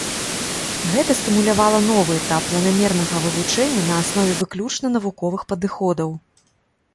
Гэта стымулявала новы этап планамернага вывучэння на аснове выключна навуковых падыходаў.